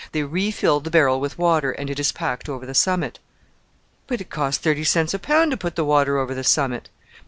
They refill the barrel with water, and it is packed over the summit." "But it costs thirty cents a pound to put the water over the summit!"